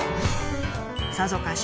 さぞかし